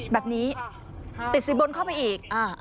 แบบนี้ติดสินบนเข้าไปอีก